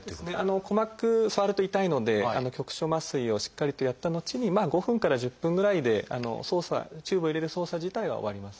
鼓膜触ると痛いので局所麻酔をしっかりとやった後に５分から１０分ぐらいでチューブを入れる操作自体は終わります。